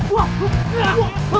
sang pr disadvantage